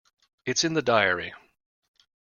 It's in the diary.